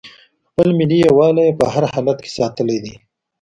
خپل ملي یووالی یې په هر حالت کې ساتلی دی.